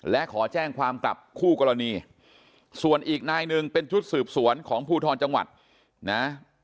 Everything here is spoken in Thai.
และขอแจ้งความกลับคู่กรณีส่วนอีกนายหนึ่งเป็นชุดสืบสวนของภูทรจังหวัดนะ